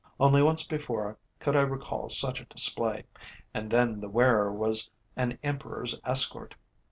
Only once before could I recall such a display, and then the wearer was an Emperor's escort.